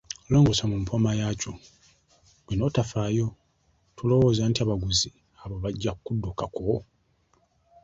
Longoosa mu mpooma yaakyo, ggwe n’otafaayo, tolowooza nti abaguzi abo bajja kukuddukako?